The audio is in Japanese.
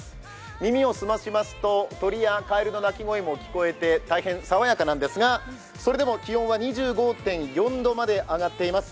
耳を澄ましますと、鳥やかえるの鳴き声も聞こえて、大変爽やかなんですが、それでも気温は２５．４度まで上がっています。